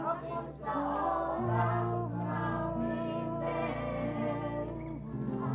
aku seorang kapiter